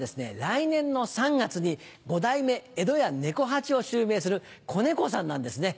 来年の３月に五代目江戸家猫八を襲名する小猫さんなんですね。